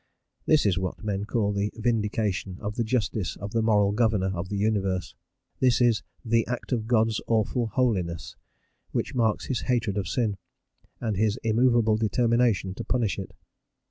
This is what men call the vindication of the justice of the Moral Governor of the universe: this is "the act of God's awful holiness," which marks his hatred of sin, and his immovable determination to punish it.